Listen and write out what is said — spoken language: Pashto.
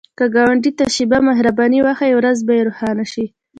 که ګاونډي ته شیبه مهرباني وښایې، ورځ به یې روښانه شي